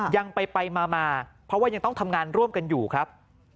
ยังไปมาเพราะว่ายังต้องทำงานร่วมกันอยู่ครับ